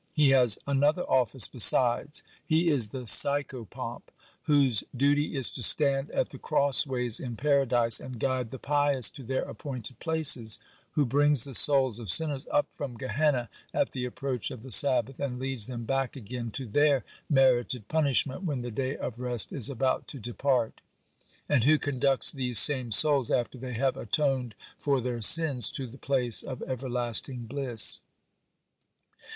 (36) He has another office besides. He is the Psychopomp, whose duty is to stand at the cross ways in Paradise and guide the pious to their appointed places; (37) who brings the souls of sinners up from Gehenna at the approach of the Sabbath, and leads them back again to their merited punishment when the day of rest is about to depart; and who conducts these same souls, after they have atoned for their sins, to the place of everlasting bliss.